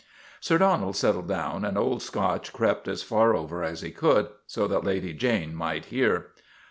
Sir Donald settled down, and Old Scotch crept as far over as he could, so that Lady Jane might hear.